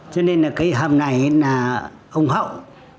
cho nên là cái hầm này là ông hậu